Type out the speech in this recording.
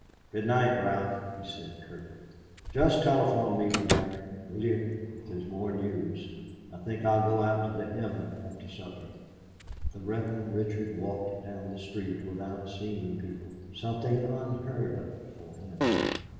"Good night, Ralph," he said curtly; "just telephone me to night, will you, if there's more news. I think I'll go out to the 'Emma' after supper." The Reverend Richard walked down the street without seeing people something unheard of for him.